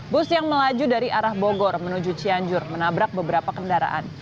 bus yang melaju dari arah bogor menuju cianjur menabrak beberapa kendaraan